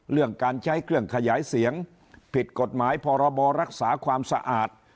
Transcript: เรื่องการใช้เครื่องขยายเสียงผิดกฎหมายพรบรักษาความสะอาด